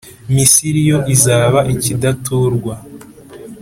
Misiri yo izaba ikidaturwa,